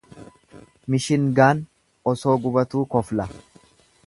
Mishingaan osoo gubatuu kofla.